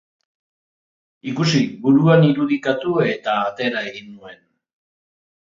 Ikusi, buruan irudikatu eta atera egin nuen.